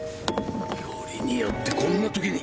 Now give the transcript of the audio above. よりによってこんなときに！？